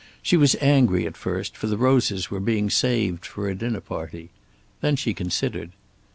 She was angry at first, for the roses were being saved for a dinner party. Then she considered.